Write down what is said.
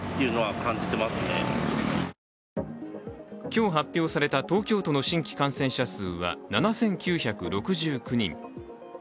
今日発表された東京都の新規感染者数は７９６９人。